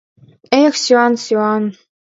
Эх, сӱан, сӱан!